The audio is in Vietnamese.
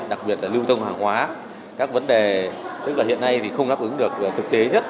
đặc biệt là lưu thông hàng hóa các vấn đề tức là hiện nay thì không đáp ứng được thực tế nhất